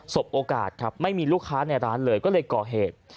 บโอกาสครับไม่มีลูกค้าในร้านเลยก็เลยก่อเหตุ